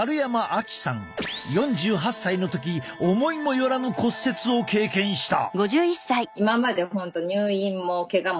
４８歳の時思いも寄らぬ骨折を経験した。